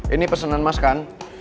ini pesenan mas kan